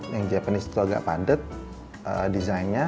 yang japanese itu agak padat desainnya